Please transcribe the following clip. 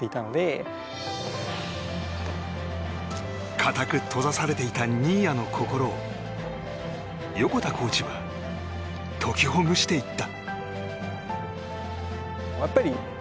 固く閉ざされていた新谷の心を横田コーチは解きほぐしていった。